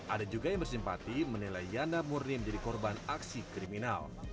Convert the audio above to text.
ada juga yang bersimpati menilai yana murni menjadi korban aksi kriminal